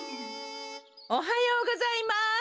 おはようございます。